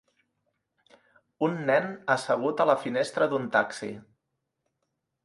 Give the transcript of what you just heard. Un nen assegut a la finestra d'un taxi.